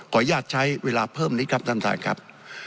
อนุญาตใช้เวลาเพิ่มนิดครับท่านท่านครับ